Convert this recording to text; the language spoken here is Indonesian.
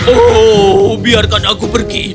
oh biarkan aku pergi